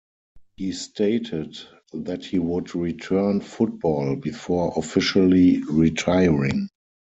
He stated that he would return football before officially retiring.